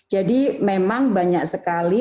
jadi memang banyak sekali